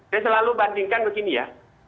saya selalu bandingkan begini ya